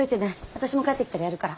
私も帰ってきたらやるから。